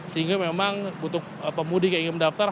sehingga memang butuh pemudik yang ingin mendaftar